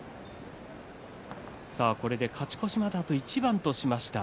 これで勝ち越しまであと一番としました。